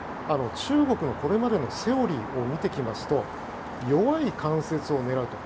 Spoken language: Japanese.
中国のこれまでのセオリーを見ていきますと弱い関節を狙うと。